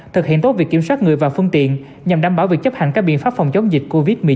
thực hiện tốt việc kiểm soát người và phương tiện nhằm đảm bảo việc chấp hành các biện pháp phòng chống dịch covid một mươi chín